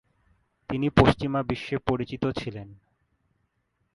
তিনি পশ্চিমা বিশ্বে পরিচিত ছিলেন।